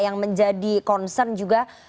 yang menjadi concern juga